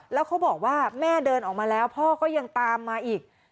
แล้วเขาบอกว่าแม่เดินออกมาแล้วพ่อก็ยังตามมาอีก